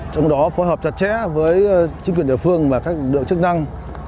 trong đó phối hợp chặt chẽ với chính quyền địa phương và các lực lượng chức năng